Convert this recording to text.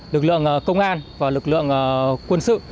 lực lượng công an và lực lượng quân sự